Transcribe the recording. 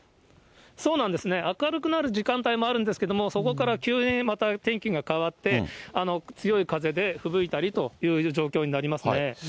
そうなんですね、明るくなる時間帯もあるんですけれども、そこから急にまた天気が変わって、強い風でふぶいたりという状況になりますね。